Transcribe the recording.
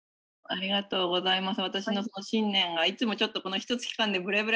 ありがとうございます」。